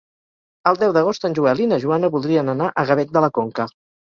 El deu d'agost en Joel i na Joana voldrien anar a Gavet de la Conca.